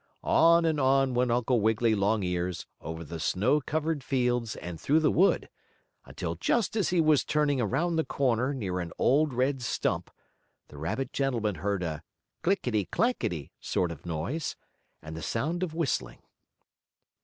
On and on went Uncle Wiggily Longears over the snow covered fields and through the wood, until just as he was turning around the corner near an old red stump, the rabbit gentleman heard a clinkity clankity sort of a noise, and the sound of whistling.